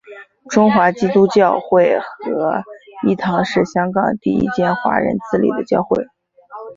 中华基督教会合一堂是香港第一间华人自理的教会。